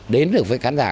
đến được với khán giả